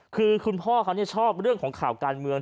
คือคุณพ่อเขาชอบเรื่องของข่าวการเมือง